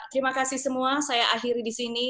terima kasih semua saya akhiri di sini